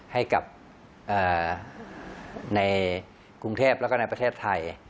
ให้กับในกรุงเทพแล้วก็ในประเทศไทย